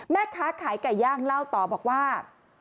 แม่ค้าขายไก่ย่างเล่าต่อบอกว่า